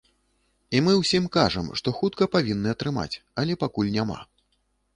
І мы ўсім кажам, што хутка павінны атрымаць, але пакуль няма.